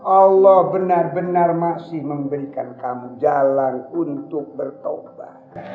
allah benar benar masih memberikan kamu jalan untuk bertobat